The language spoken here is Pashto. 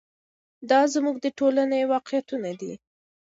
دا زموږ د ټولنې واقعیتونه دي.